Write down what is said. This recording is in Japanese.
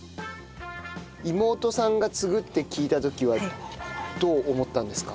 妹さんが継ぐって聞いた時はどう思ったんですか？